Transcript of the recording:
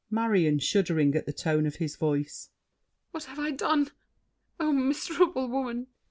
MARION (shuddering at the tone of his voice). What have I done? Oh, miserable woman!